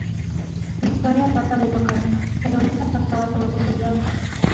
Victoria trata de tocarla, pero es apartada por los otros gatos.